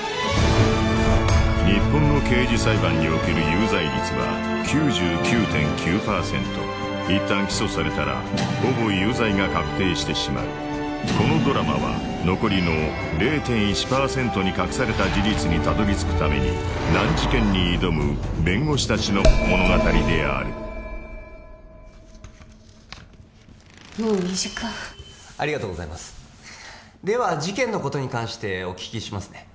日本の刑事裁判における有罪率は９９．９％一旦起訴されたらほぼ有罪が確定してしまうこのドラマは残りの０．１％に隠された事実にたどり着くために難事件に挑む弁護士達の物語であるもう２時間ありがとうございますでは事件のことに関してお聞きしますね